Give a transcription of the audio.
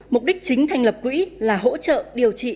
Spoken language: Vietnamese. mục đích chính thành lập quỹ là hỗ trợ điều trị